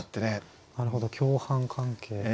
なるほど共犯関係。